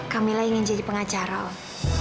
kamilah ingin jadi pengacara om